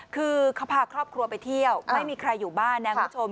คือเขาพาครอบครัวไปเที่ยวไม่มีใครอยู่บ้านนะคุณผู้ชม